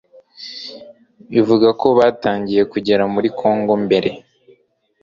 bivugwa ko batangiye kugera muri Congo mbere